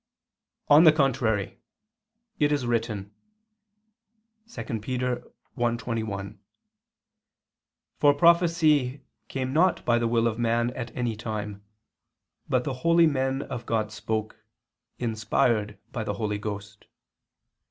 On the contrary, It is written (2 Pet. 1:21): "For prophecy came not by the will of man at any time, but the holy men of God spoke, inspired by the Holy Ghost."